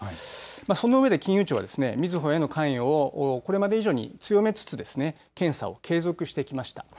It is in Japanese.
そのうえで金融庁はみずほへの関与をこれまで以上に強めつつ検査を継続してきました。